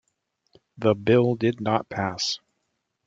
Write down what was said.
The bill did not pass.